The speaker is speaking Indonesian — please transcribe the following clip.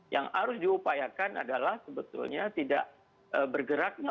yang harus diupayakan adalah sebetulnya tidak bergeraknya